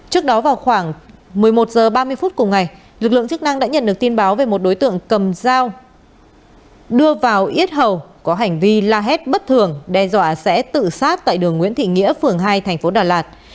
trước đó vào khoảng một mươi một h ba mươi phút cùng ngày lực lượng chức năng đã nhận được tin báo về một đối tượng cầm dao đưa vào yết hầu có hành vi la hét bất thường đe dọa sẽ tự sát tại đường nguyễn thị nghĩa phường hai thành phố đà lạt